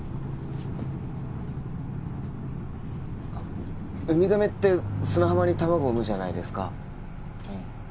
あっウミガメって砂浜に卵産むじゃないですかうん